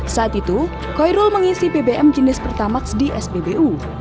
saat itu koirul mengisi bbm jenis pertama di spbu